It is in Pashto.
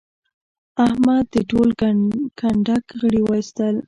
احمد د ټول کنډک غړي واېستل.